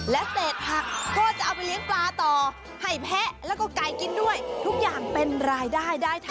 และเศษผักก็จะเอาไปเลี้ยงปลาต่อ